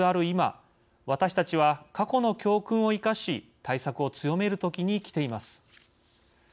今私たちは、過去の教訓を生かし対策を強める時に来ています。